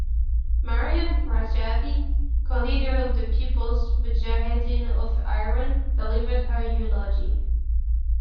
Maryam Rajavi, co-leader of the People's Mujahedin of Iran, delivered her eulogy.